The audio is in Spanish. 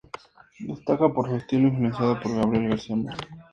Destaca por su estilo influenciado por Gabriel García Márquez.